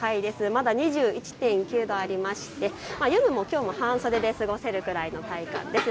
まだ２１．９度あって夜もきょうは半袖で過ごせるくらいの体感です。